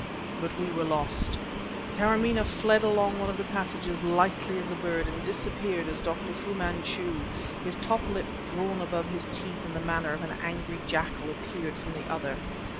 But we were lost. Karamaneh fled along one of the passages lightly as a bird, and disappeared as Dr. Fu Manchu, his top lip drawn up above his teeth in the manner of an angry jackal, appeared from the other.